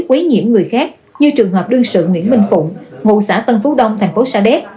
quấy nhiễm người khác như trường hợp đương sự nguyễn minh phụng ngụ xã tân phú đông thành phố sa đéc